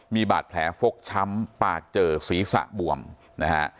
มีบาดแผลฟกช้ำปากเจอศีรษะบวมนะฮะ